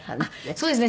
そうですね。